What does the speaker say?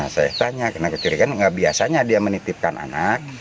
saya tanya karena kecil kan nggak biasanya dia menitipkan anak